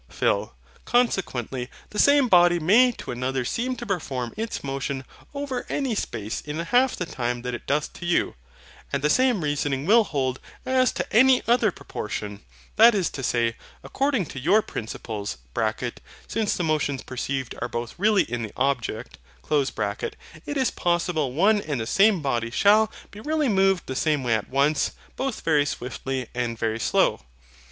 PHIL. Consequently the same body may to another seem to perform its motion over any space in half the time that it doth to you. And the same reasoning will hold as to any other proportion: that is to say, according to your principles (since the motions perceived are both really in the object) it is possible one and the same body shall be really moved the same way at once, both very swift and very slow.